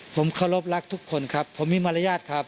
ผมเคารพรักทุกคนครับผมมีมารยาทครับ